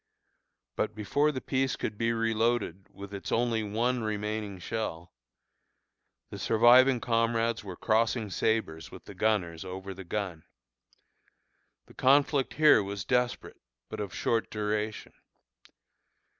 But before the piece could be reloaded with its only one remaining shell, the surviving comrades were crossing sabres with the gunners over the gun. The conflict here was desperate, but of short duration.